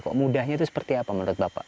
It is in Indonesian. kok mudahnya itu seperti apa menurut bapak